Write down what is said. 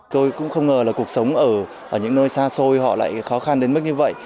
tôi cũng không ngờ là cuộc sống ở những nơi xa xôi họ lại khó khăn đến mức như vậy